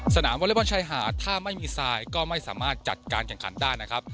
วอเล็กบอลชายหาดถ้าไม่มีทรายก็ไม่สามารถจัดการแข่งขันได้นะครับ